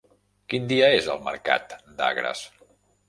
Quin dia és el mercat d'Agres?